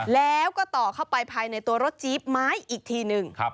แล้วก็ต่อเข้าไปภายในตัวรถจี๊บไม้อีกทีหนึ่ง